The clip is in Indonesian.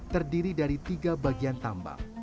terdiri dari tiga bagian tambang